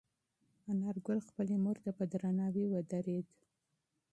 انارګل خپلې مور ته په درناوي ودرېد.